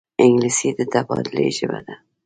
انګلیسي د تبادلې ژبه ده